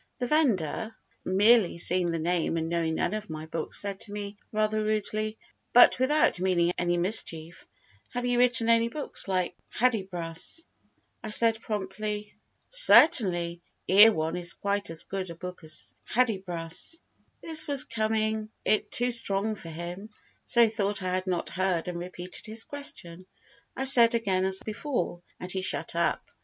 The vendor, merely seeing the name and knowing none of my books, said to me, rather rudely, but without meaning any mischief: "Have you written any books like Hudibras?" I said promptly: "Certainly; Erewhon is quite as good a book as Hudibras." This was coming it too strong for him, so he thought I had not heard and repeated his question. I said again as before, and he shut up.